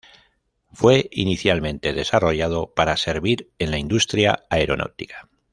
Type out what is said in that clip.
Fue inicialmente desarrollado para servir en la industria aeronáutica.